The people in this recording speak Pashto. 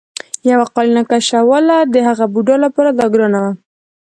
یوه قالینه کشوله د هغه بوډا لپاره دا ګرانه وه.